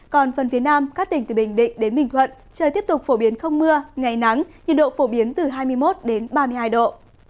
còn phần phía nam các tỉnh từ bình định đến bình thuận trời tiếp tục phổ biến không mưa ngày nắng nhiệt độ phổ biến từ hai mươi một đến ba mươi hai độ